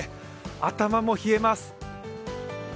頭も冷えます。